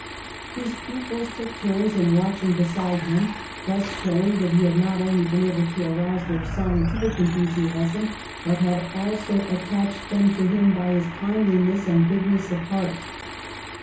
His pupils took turns in watching beside him, thus showing that he had not only been able to arouse their scientific en thusiasm, but had also attached them to him by his kindliness and bigness of heart.